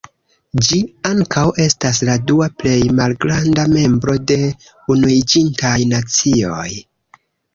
Ĝi ankaŭ estas la dua plej malgranda membro de Unuiĝintaj Nacioj.